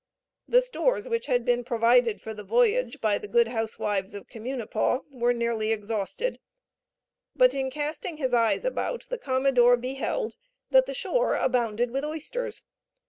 The stores which had been provided for the voyage by the good housewives of Communipaw were nearly exhausted; but in casting his eyes about the commodore beheld that the shore abounded with oysters.